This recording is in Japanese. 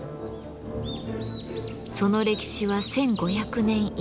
その歴史は１，５００年以上。